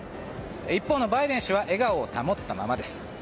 一方のバイデン氏は笑顔を保ったままです。